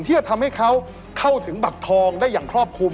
ที่จะทำให้เขาเข้าถึงบัตรทองได้อย่างครอบคลุม